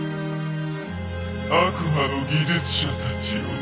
悪魔の技術者たちよ